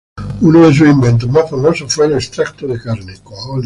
Uno de sus inventos más famosos fue el extracto de carne.